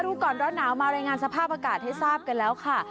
ดูก่อนร้อนหนาวมารายงานสภาพอากาศให้ทราบกันแล้วค่ะ